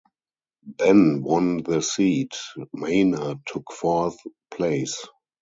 Benn won the seat; Maynard took fourth place.